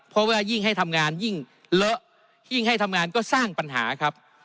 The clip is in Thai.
เพราะว่ายิ่งให้ทำงานยิ่งเลอะยิ่งให้ทำงานก็สร้างปัญหาครับ